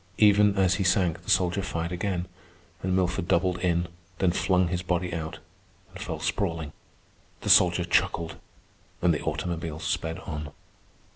Even as he sank the soldier fired again, and Milford doubled in, then flung his body out, and fell sprawling. The soldier chuckled, and the automobile sped on.